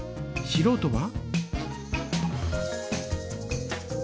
しろうとは？